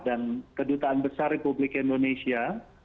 dan kedutaan besar republik indonesia